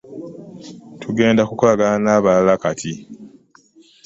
Tugenda kukolagana na balala kati.